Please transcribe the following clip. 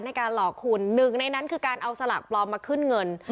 ในการหลอกคุณหนึ่งในนั้นคือการเอาสลากปลอมมาขึ้นเงิน